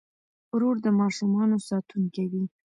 ورور د ماشومانو ساتونکی وي.